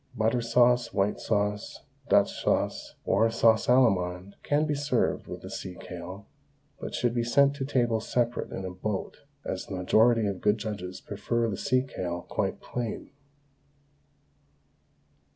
Butter sauce, white sauce, Dutch sauce, or sauce Allemande can be served with sea kale, but should be sent to table separate in a boat, as the majority of good judges prefer the sea kale quite plain.